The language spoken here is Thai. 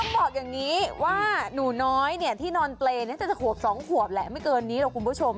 บอกอย่างนี้ว่าหนูน้อยที่นอนเปรย์น่าจะขวบ๒ขวบแหละไม่เกินนี้หรอกคุณผู้ชม